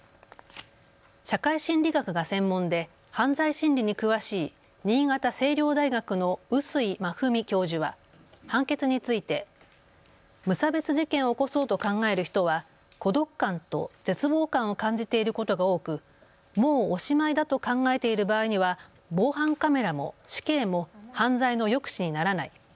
社会心理学が専門で犯罪心理に詳しい新潟青陵大学の碓井真史教授は判決について無差別事件を起こそうと考える人は孤独感と絶望感を感じていることが多くもうおしまいだと考えている場合には防犯カメラも死刑も犯罪の抑止にならない。